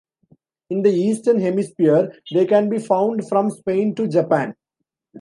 In the eastern hemisphere, they can be found from Spain to Japan.